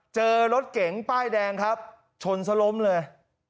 เจอรถเก๋งป้ายแดงครับชนซะล้มเลย